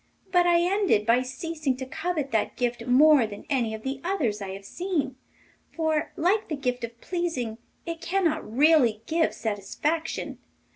But I ended by ceasing to covet that gift more than any of the others I have seen, for, like the gift of pleasing, it cannot really give satisfaction.